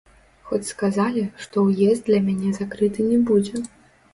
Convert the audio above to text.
Хоць сказалі, што ўезд для мяне закрыты не будзе.